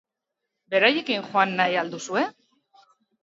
Beraiekin joan nahi al duzue?